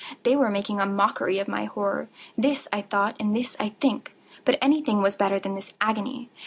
—they were making a mockery of my horror!—this I thought, and this I think. But anything was better than this agony!